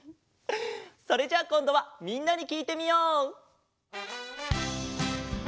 それじゃあこんどはみんなにきいてみよう！